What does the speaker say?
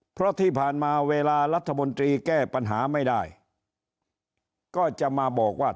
เพราะที่ผ่านมาเวลารัฐมนตรีแก้ปัญหาไม่ได้ก็จะมาบอกว่า